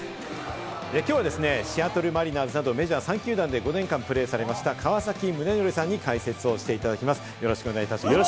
きょうはシアトル・マリナーズなどメジャー３球団で５年間プレーした川崎宗則さんに解説していただきます。